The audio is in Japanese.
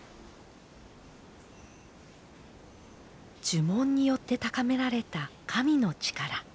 呪文によって高められた神の力。